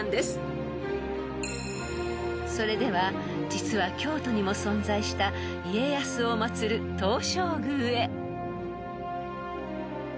［それでは実は京都にも存在した家康を祭る東照宮へ］